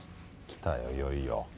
きたよいよいよ。